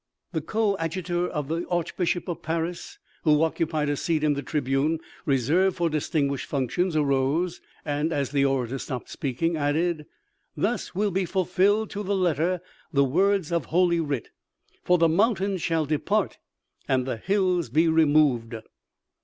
The coadjutor of the archbishop of Paris, who occupied a seat in the tribune reserved for distinguished function aries, rose, and, as the orator ceased speaking, added :" Thus will be fulfilled, to the letter, the words of holy writ: 'For the mountains shall depart and the hills be removed.'